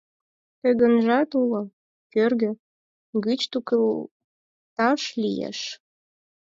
Кӧгӧнжат уло, кӧргӧ гыч тӱкылалташ лиеш.